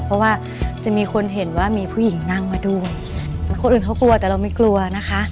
เพราะว่าจะมีคนเห็นว่ามีผู้หญิงนั่งมาด้วยคนอื่นเขากลัวแต่เราไม่กลัวนะคะ